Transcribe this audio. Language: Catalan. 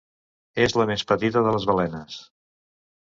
És la més petita de les balenes.